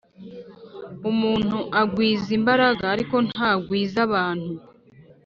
umuntu agwiza imbaraga ariko ntagwiza abantu